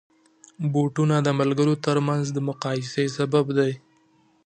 بوټونه د ملګرو ترمنځ د مقایسې سبب دي.